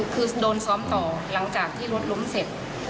คือโดนซ้อมต่อหลังจากที่รถล้มเสร็จ